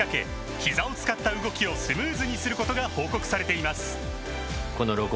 ひざを使った動きをスムーズにすることが報告されています